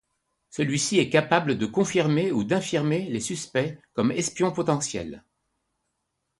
Celui-ci est capable de confirmer ou d'infirmer les suspects comme espions potentiels.